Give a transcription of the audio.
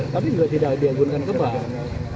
tapi juga tidak diagunkan ke bank